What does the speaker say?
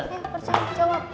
ya kerjain jawab